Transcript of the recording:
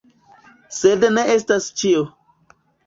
Sed ne estas ĉio.